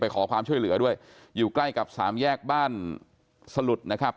ขอความช่วยเหลือด้วยอยู่ใกล้กับสามแยกบ้านสลุดนะครับ